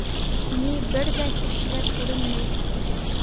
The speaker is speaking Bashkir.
— Ни, бер ҙә кешеләр күренмәй.